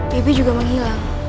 baby juga menghilang